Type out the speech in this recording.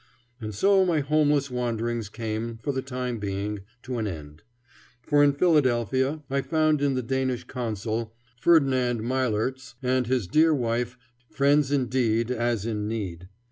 And so my homeless wanderings came, for the time being, to an end. For in Philadelphia I found in the Danish Consul, Ferdinand Myhlertz, and his dear wife, friends indeed as in need.